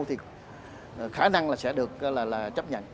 thì khả năng là sẽ được chấp nhận